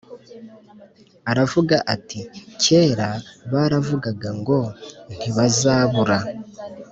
Aravuga ati Kera baravugaga ngo ntibazabura